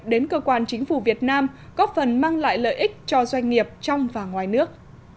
đến cơ quan chính phủ việt nam góp phần mang lại lợi ích cho doanh nghiệp trong và ngoài nước